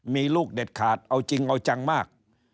มีลูกเด็ดขาดเอาจริงเอาจังมาก